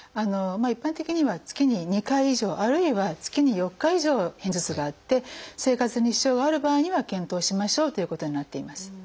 一般的には月に２回以上あるいは月に４日以上片頭痛があって生活に支障がある場合には検討しましょうということになっています。